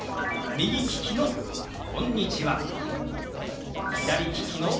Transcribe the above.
左利きの「こんにちは」。